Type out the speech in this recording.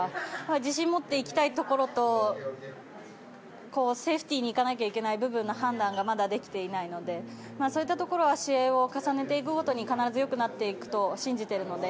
自信を持っていきたいところとセーフティーにいかなきゃいけない部分の判断がまだできていないのでそういったところは試合を重ねていくごとに必ず良くなっていくと信じているので。